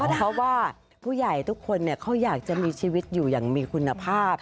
เพราะว่าผู้ใหญ่ทุกคนเขาอยากจะมีชีวิตอยู่อย่างมีคุณภาพ